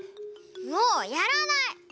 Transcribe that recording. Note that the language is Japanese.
もうやらない！